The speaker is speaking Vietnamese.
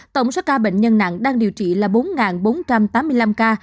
tổng số ca bệnh nhân nặng đang điều trị là bốn bốn trăm tám mươi năm ca